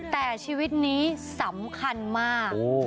แต่ชีวิตนี้สำคัญมาก